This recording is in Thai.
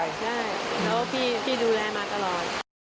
ได้เขาว่าพี่ดูแลมาตลอด